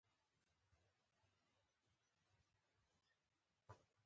هیواد مې ياديږي